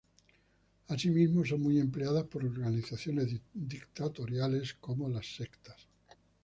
Asimismo, son muy empleadas por organizaciones dictatoriales como las sectas.